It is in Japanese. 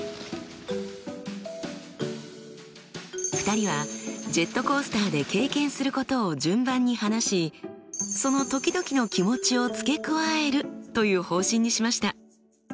２人はジェットコースターで経験することを順番に話しその時々の気持ちを付け加えるという方針にしました。